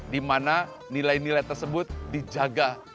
dimana nilai nilai tersebut dijaga